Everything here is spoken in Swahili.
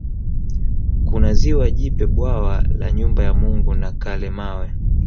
Kuna ziwa Jipe bwawa la Nyumba ya Mungu na Kalemawe